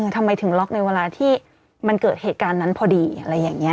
ทำไมถึงล็อกในเวลาที่มันเกิดเหตุการณ์นั้นพอดีอะไรอย่างนี้